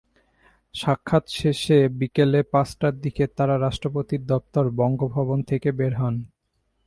সাক্ষাৎ শেষে বিকেল পাঁচটার দিকে তাঁরা রাষ্ট্রপতির দপ্তর বঙ্গভবন থেকে বের হন।